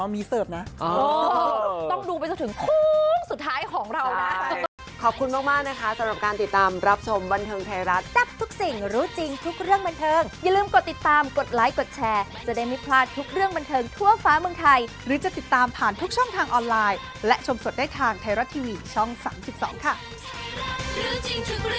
มีเสิร์ฟนะต้องดูไปจนถึงโค้งสุดท้ายของเรานะ